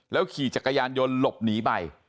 ขี่จักรยานยนต์หลบหนีไป